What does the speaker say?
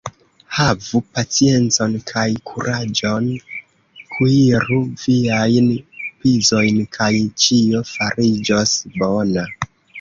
Havu paciencon kaj kuraĝon, kuiru viajn pizojn, kaj ĉio fariĝos bona.